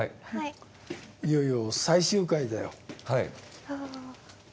いよいよ最終回だよ。